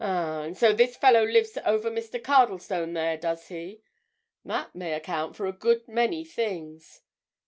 "Ah! And so this fellow lives over Mr. Cardlestone there, does he? That may account for a good many things.